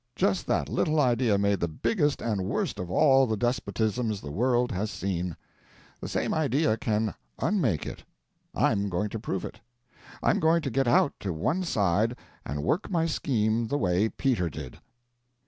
Just that little idea made the biggest and worst of all the despotisms the world has seen. The same idea can _un_make it. I'm going to prove it. I'm going to get out to one side and work my scheme the way Peter did."